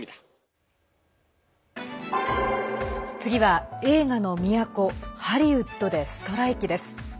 次は、映画の都ハリウッドでストライキです。